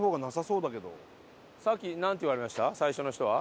最初の人は？